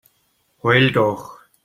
Heul doch!